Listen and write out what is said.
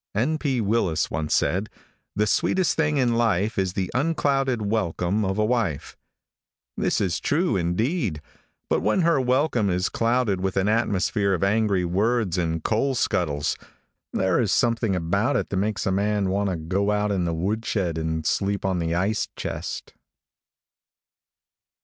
|N.P. WILLIS once said: "The sweetest thing in life is the unclouded welcome of a wife." This is true, indeed, but when her welcome is clouded with an atmosphere of angry words and coal scuttles, there is something about it that makes a man want to go out in the woodshed and sleep on the ice chest.